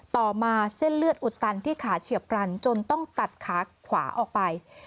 ต่อมาเส้นเลือดอุดตันที่ขาเฉียบพลันจนต้องตัดขาขวาออกไป